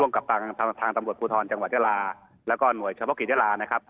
ร่วมกับทางจังหวัดเยาลาและหน่วยชภกิทเยาลา